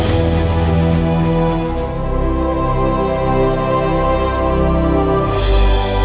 dan juga berikan komentar di bawah ini